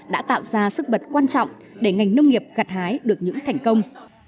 đã tạo ra sức bật quan trọng để ngành nông nghiệp gặt hái được những thành công